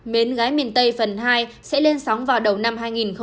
mến gái miền tây phần hai sẽ lên sóng vào đầu năm hai nghìn hai mươi hai